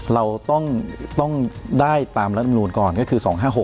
เราต้องได้ตามรัฐมนูลก่อนก็คือ๒๕๖